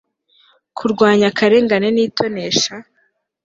kurwanya akarengane n'itonesha